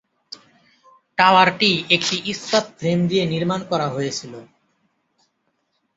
টাওয়ারটি একটি ইস্পাত ফ্রেম দিয়ে নির্মাণ করা হয়েছিল।